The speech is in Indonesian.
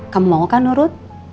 kamu mau kan nurut